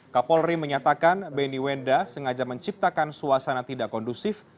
kapolri menyatakan benny wenda sengaja menciptakan suasana tidak kondusif